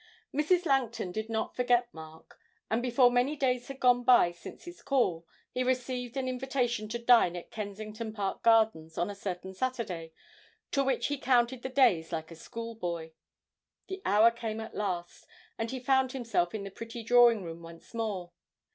Mrs. Langton did not forget Mark; and before many days had gone by since his call, he received an invitation to dine at Kensington Park Gardens on a certain Saturday, to which he counted the days like a schoolboy. The hour came at last, and he found himself in the pretty drawing room once more.